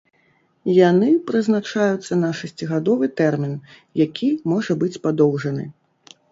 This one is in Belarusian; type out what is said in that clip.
Яны прызначаюцца на шасцігадовы тэрмін, які можа быць падоўжаны.